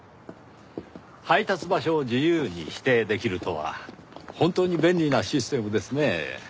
配達場所を自由に指定できるとは本当に便利なシステムですねぇ。